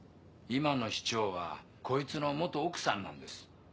今の市長はこいつの奥さんなんです。